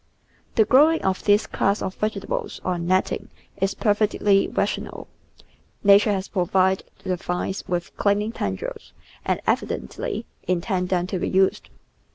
The growing of this class of vegetables on net ting is perfectly rational; Nature has provided the vines with clinging tendrils and evidently intended them to be used.